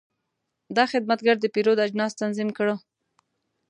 دا خدمتګر د پیرود اجناس تنظیم کړل.